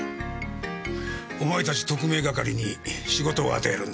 お前たち特命係に仕事を与えるんだ。